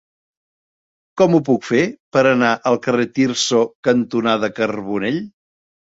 Com ho puc fer per anar al carrer Tirso cantonada Carbonell?